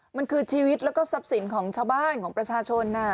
มันคือชีวิตแล้วก็ทรัพย์สินของชาวบ้านของประชาชน